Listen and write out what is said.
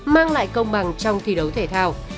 mang lại công bằng trong thi đấu thể thao